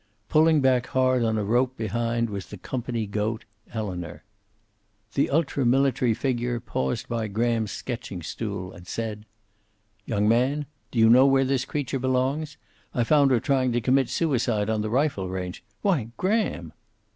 Pulling back hard on a rope behind was the company goat, Elinor. The ultra military figure paused by Graham's sketching stool, and said, "Young man, do you know where this creature belongs? I found her trying to commit suicide on the rifle range why, Graham!"